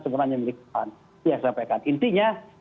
kesempurnaannya milik tuhan ya saya sampaikan intinya